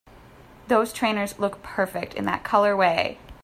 Those trainers look perfect in that colorway!